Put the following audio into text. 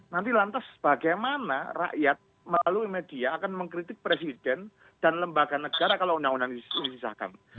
nanti lantas bagaimana rakyat melalui media akan mengkritik presiden dan lembaga negara kalau undang undang ini disahkan